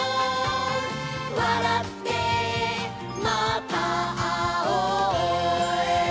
「わらってまたあおう」